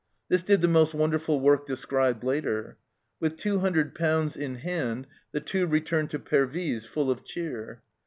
This did the most wonderful work described later. With two hundred pounds in hand, the Two returned to Pervyse full of cheer.